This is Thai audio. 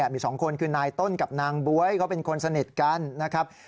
มี๒คนคือนายต้นกับนางบ๊วยเขาเป็นคนสนิทกันนะครับ